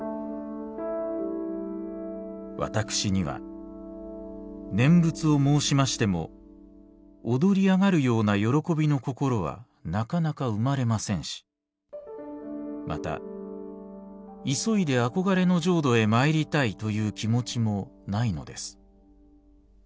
「私には念仏を申しましても躍りあがるような喜びの心はなかなか生まれませんしまた急いであこがれの浄土へまいりたいという気持ちもないのです。